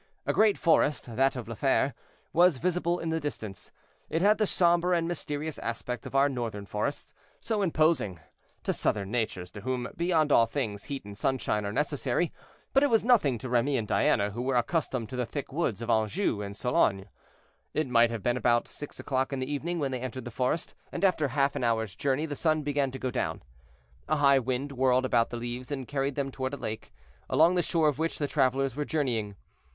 A great forest, that of La Fere, was visible in the distance; it had the somber and mysterious aspect of our northern forests, so imposing: to southern natures, to whom, beyond all things, heat and sunshine are necessary; but it was nothing to Remy and Diana, who were accustomed to the thick woods of Anjou and Sologne. It might have been about six o'clock in the evening when they entered the forest, and after half an hour's journey the sun began to go down. A high wind whirled about the leaves and carried them toward a lake, along the shore of which the travelers were journeying.